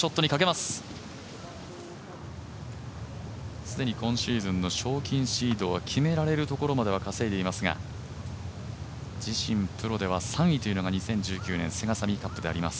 すでに今シーズンの賞金シードは決められるところまでは稼いでいますが自身プロでは３位というのが２０１９年セガサミーカップであります。